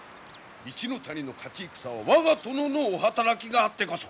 一ノ谷の勝ち戦は我が殿のお働きがあってこそ。